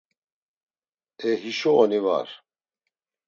E hişo oni var?